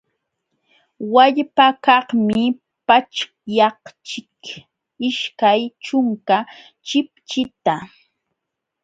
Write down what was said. Wallpakaqmi paćhyaqchik ishkay ćhunka chipchita.